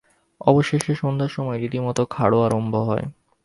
অবশেষে সন্ধ্যার সময় রীতিমত খাড় আরম্ভ হয়।